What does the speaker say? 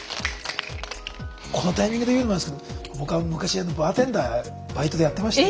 このタイミングで言うのもなんですけど僕は昔バーテンダーバイトでやってまして。